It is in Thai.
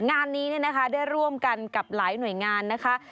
งานนี้ได้ร่วมกันกับหลายหน่วยงานนะคะ